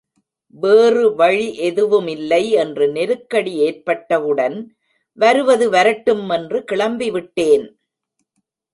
வேறு வழி எதுவுமில்லை என்று நெருக்கடி ஏற்பட்டவுடன் வருவது வரட்டும் என்று கிளம்பிவிட்டேன்.